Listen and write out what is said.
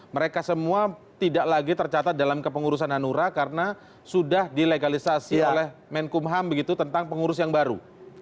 mereka semua tidak lagi tercatat dalam kepengurusan hanura karena sudah dilegalisasi oleh menkumham begitu tentang pengurus yang baru